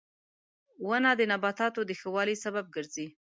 • ونه د نباتاتو د ښه والي سبب ګرځي.